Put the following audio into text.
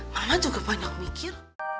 mama juga banyak mikir